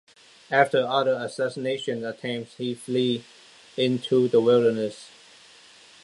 After other assassination attempts, he fled into the wilderness.